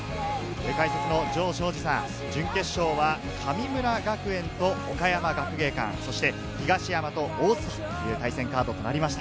解説の城彰二さん、準決勝は神村学園と岡山学芸館、そして東山と大津という対戦カードとなりました。